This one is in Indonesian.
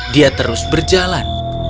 dia terus berjalan